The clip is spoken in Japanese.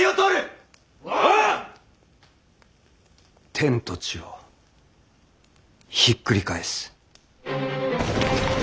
天と地をひっくり返す。